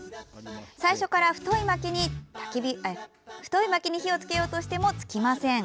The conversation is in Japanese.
最初から太いまきに火をつけようとしてもつきません。